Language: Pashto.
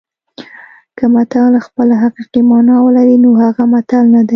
که متل خپله حقیقي مانا ولري نو هغه متل نه دی